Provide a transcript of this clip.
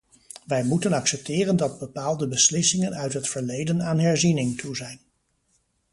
Wij moeten accepteren dat bepaalde beslissingen uit het verleden aan herziening toe zijn.